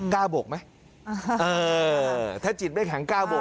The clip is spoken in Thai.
กล้าบกไหมถ้าจิตไม่แข็งกล้าบกไหม